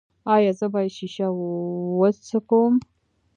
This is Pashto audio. ایا زه باید شیشه وڅکوم؟